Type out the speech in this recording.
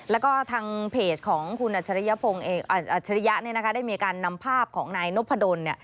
แล้วก็ทางเพจของคุณอัจฉริยะได้มีการนำภาพของนายนพดล